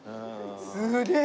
すげえ。